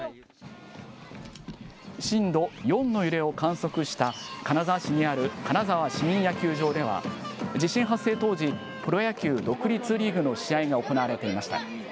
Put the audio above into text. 震度４の揺れを観測した金沢市にある金沢市民野球場では、地震発生当時、プロ野球独立リーグの試合が行われていました。